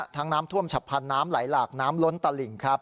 น้ำท่วมฉับพันธ์น้ำไหลหลากน้ำล้นตลิ่งครับ